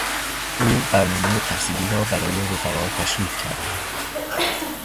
او برنامهٔ تحصیلی را برای رفقا تشریح کرد.